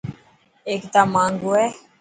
اي ڪتاب ماهنگو هي.